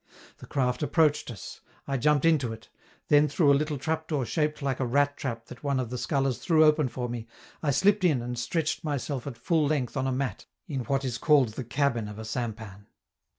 The craft approached us, I jumped into it, then through a little trap door shaped like a rat trap that one of the scullers threw open for me, I slipped in and stretched myself at full length on a mat in what is called the "cabin" of a sampan.